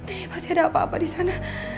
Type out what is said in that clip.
ini pasti ada apa apa di sana